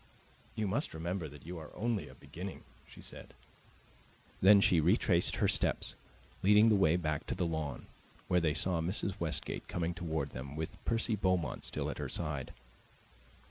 "You must remember that you are only a beginning," she said. Then she retraced her steps, leading the way back to the lawn, where they saw Mrs. Westgate come toward them with Percy Beaumont still at her side.